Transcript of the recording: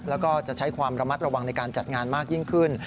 แล้วก็จะใช้ความระมัดระวังในการจัดงานมากยิ่งขึ้น